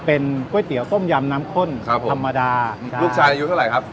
เป็นก๋วยเตี๋ยวต้มยำน้ำข้นครับผมธรรมดานะครับลูกชายอายุเท่าไหร่ครับ